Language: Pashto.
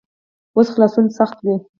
اوس خلاصون سخت وي.